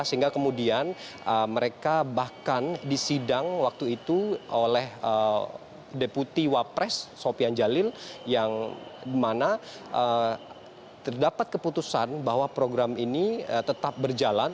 sehingga kemudian mereka bahkan disidang waktu itu oleh deputi wapres sofian jalil yang dimana terdapat keputusan bahwa program ini tetap berjalan